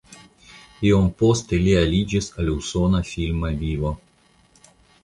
Iom poste li aliĝis al usona filma vivo.